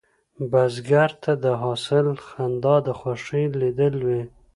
بزګر ته د حاصل خندا د خوښې دلیل وي